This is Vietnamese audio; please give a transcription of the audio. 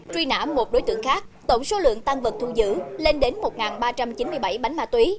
truy nã một đối tượng khác tổng số lượng tăng vật thu giữ lên đến một ba trăm chín mươi bảy bánh ma túy